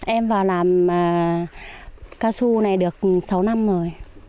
em vào làm cao su này được sáu năm rồi